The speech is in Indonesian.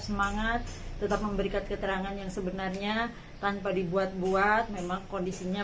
semangat tetap memberikan keterangan yang sebenarnya tanpa dibuat buat memang kondisinya